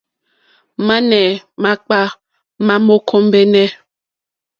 Mane makpà ma mò kombεnε.